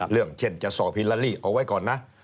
เรื่องเช่นจะสอบฮิลาลีเอาไว้ก่อนนะ